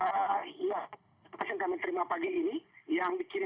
pasien kami terima pagi ini